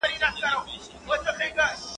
o څې کوې، چي نې کوې.